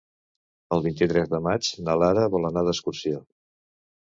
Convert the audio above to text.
El vint-i-tres de maig na Lara vol anar d'excursió.